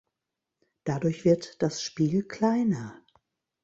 Dadurch wird das Spiel kleiner.